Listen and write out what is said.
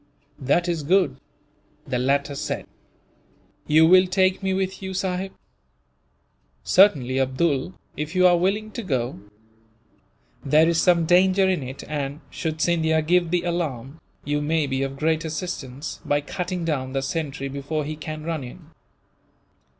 "That is good," the latter said. "You will take me with you, sahib?" "Certainly, Abdool, if you are willing to go. There is some danger in it and, should Scindia give the alarm, you may be of great assistance, by cutting down the sentry before he can run in.